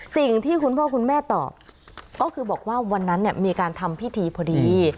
สิ่งที่คุณพ่อคุณแม่ตอบก็คือบอกว่าวันนั้นเนี่ยมีการทำพิธีพอดี